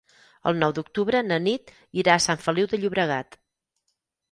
El nou d'octubre na Nit irà a Sant Feliu de Llobregat.